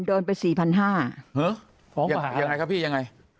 โดนไปสี่พันห้าฮึฟ้องมาแล้วยังไงครับพี่ยังไงอ๋อ